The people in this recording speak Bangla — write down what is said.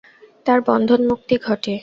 তার বন্ধনমুক্তি ঘটে।